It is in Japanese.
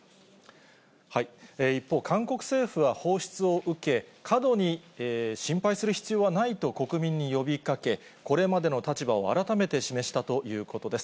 一方、韓国政府は放出を受け、過度に心配する必要はないと国民に呼びかけ、これまでの立場を改めて示したということです。